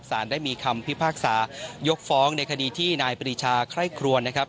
สารได้มีคำพิพากษายกฟ้องในคดีที่นายปรีชาไคร่ครวนนะครับ